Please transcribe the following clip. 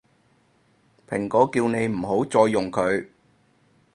蘋果叫你唔好再用佢